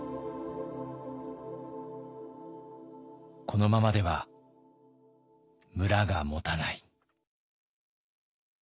このままでは村がもたない。